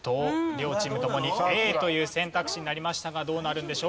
両チームともにＡという選択肢になりましたがどうなるんでしょうか？